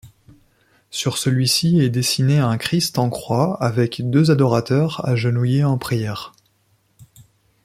Sur celui-ci est dessiné un Christ en croix avec deux adorateurs agenouillés en prière.